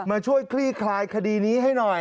ช่วยคลี่คลายคดีนี้ให้หน่อย